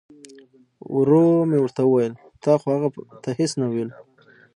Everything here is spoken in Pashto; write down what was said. ورو مې ورته وویل تا خو هغه ته هیڅ نه ویل.